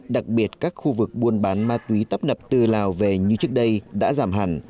đặc biệt các khu vực buôn bán ma túy tấp nập từ lào về như trước đây đã giảm hẳn